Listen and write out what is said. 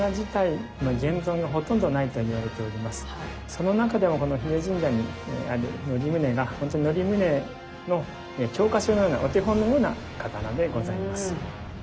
その中でもこの日枝神社にある則宗がほんとに則宗の教科書のようなお手本のような刀でございます。